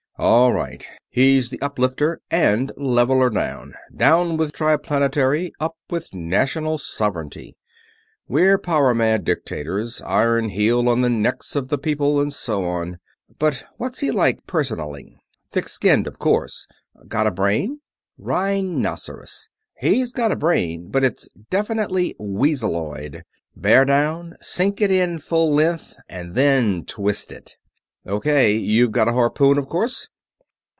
"All right. He's the uplifter and leveler off. Down with Triplanetary, up with National Sovereignty. We're power mad dictators iron heel on the necks of the people, and so on. But what's he like, personally? Thick skinned, of course got a brain?" "Rhinoceros. He's got a brain, but it's definitely weaseloid. Bear down sink it in full length, and then twist it." "O.K. You've got a harpoon, of course?"